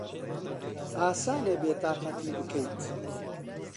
ئاسانە بێتاقەتی بکەیت.